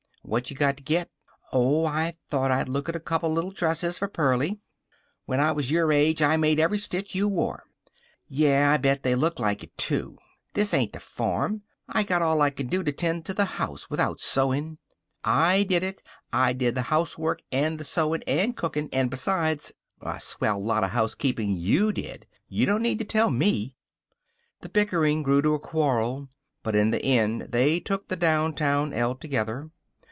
"What you got to get?" "Oh, I thought I'd look at a couple little dresses for Pearlie." "When I was your age I made every stitch you wore." "Yeh, I bet they looked like it, too. This ain't the farm. I got all I can do to tend to the house, without sewing." "I did it. I did the housework and the sewin' and cookin', an' besides " "A swell lot of housekeepin' you did. You don't need to tell me." The bickering grew to a quarrel. But in the end they took the downtown el together.